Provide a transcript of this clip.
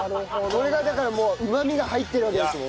これがだからもううまみが入ってるわけですもんね。